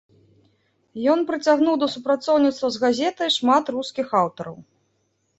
Ён прыцягнуў да супрацоўніцтва з газетай шмат рускіх аўтараў.